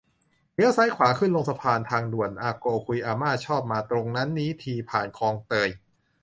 เลี้ยวซ้ายขวา ขึ้นลงสะพาน ทางด่วน อาโกวคุยอาม่าชอบมาตรงนั้นนี้ที่ผ่าน คลองเตย